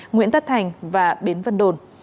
nguyễn tất thành và bến vân đồn